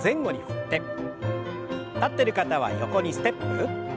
立ってる方は横にステップ。